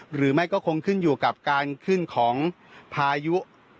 หรือไม่ก็คงขึ้นอยู่กับการขึ้นของพายุ